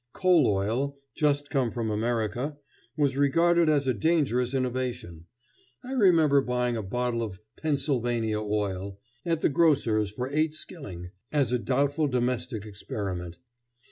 Coal oil, just come from America, was regarded as a dangerous innovation. I remember buying a bottle of "Pennsylvania oil" at the grocer's for eight skilling, as a doubtful domestic experiment.